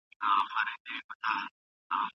نن به د خوشحال د قبر ړنګه جنډۍ څه وايي